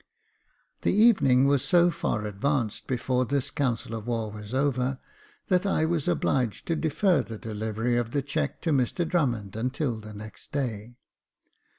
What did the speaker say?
The evening was so far advanced before this council of war was over, that I was obliged to defer the delivery of the cheque to Mr Drummond until the next day.